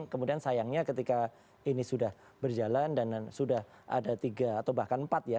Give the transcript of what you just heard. kemudian sayangnya ketika ini sudah berjalan dan sudah ada tiga atau bahkan empat ya